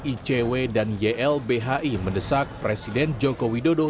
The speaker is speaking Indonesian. icw dan ylbhi mendesak presiden joko widodo